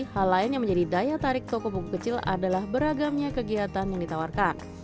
hal lain yang menjadi daya tarik toko buku kecil adalah beragamnya kegiatan yang ditawarkan